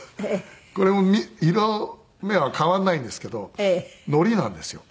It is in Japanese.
これも色みは変わんないんですけど海苔なんですよ。